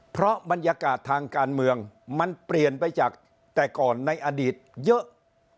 เพราะบรรยากาศทางการเมืองมันเปลี่ยนไปจากแต่ก่อนในอดีตเยอะ